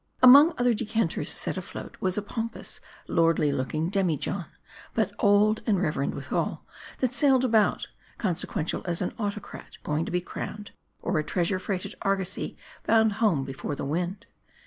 Among other decanters set afloat, was a pompous, lordly looking demijohn, but old and reverend withal, that sailed about, consequential as an autocrat going to be crowned, or a treasure freighted argosie bound home before the wind.